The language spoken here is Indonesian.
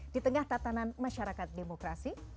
di tengah tatanan masyarakat demokrasi